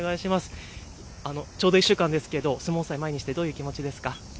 ちょうど１週間ですが相撲祭を前にしてどういう気持ちですか。